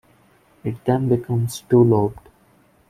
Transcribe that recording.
It then becomes two-lobed.